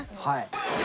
はい。